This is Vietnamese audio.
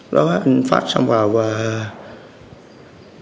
đó anh phát xong rồi